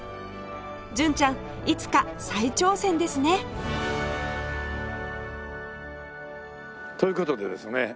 純ちゃんいつか再挑戦ですね！という事でですね